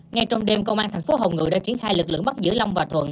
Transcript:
ngay trong đêm công an thành phố hồng ngự đã triển khai lực lượng bắt giữ long và thuận